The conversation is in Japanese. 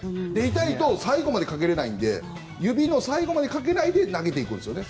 痛いと、最後までかけれないので指の最後までかけないで投げていくんですね。